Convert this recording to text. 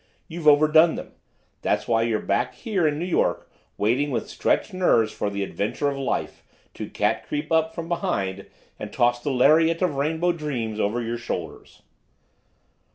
You've overdone them. That's why you're back here in New York waiting with stretched nerves for the Adventure of Life to cat creep up from behind and toss the lariat of rainbow dreams over your shoulders."